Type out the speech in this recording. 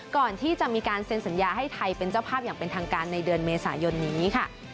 ก่อนที่จะมีการเซ็นสัญญาให้ไทยเป็นเจ้าภาพอย่างเป็นทางการในเดือนเมษายนนี้ค่ะ